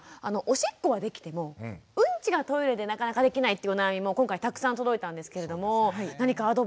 おしっこはできてもうんちがトイレでなかなかできないってお悩みも今回たくさん届いたんですけれども何かアドバイスありますでしょうか？